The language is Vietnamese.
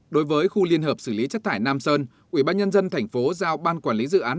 đối với khu liên hợp xử lý rác tại nam sơn ủy ban nhân dân thành phố giao ban quản lý dự án